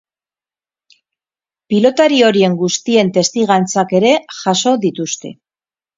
Pilotari horien guztien testigantzak ere jaso dituzte.